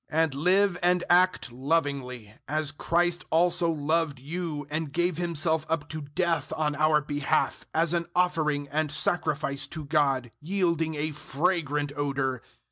005:002 And live and act lovingly, as Christ also loved you and gave Himself up to death on our behalf as an offering and sacrifice to God, yielding a fragrant odor.